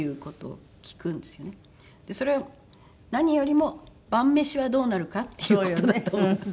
それは何よりも晩飯はどうなるかっていう事だと思う。